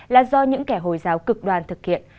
là do những kẻ hồi giáo cực đoan thực hiện